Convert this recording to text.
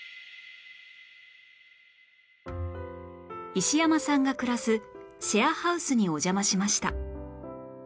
石山さんが暮らすシェアハウスにお邪魔しました